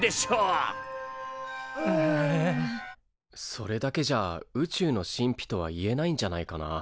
それだけじゃ宇宙の神秘とは言えないんじゃないかな。